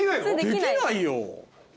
できないよ。